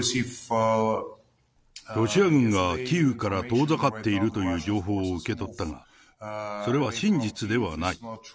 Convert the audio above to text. ロシア軍がキーウから遠ざかっているという情報を受け取ったが、それは真実ではない。